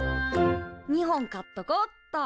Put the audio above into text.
２本買っとこうっと！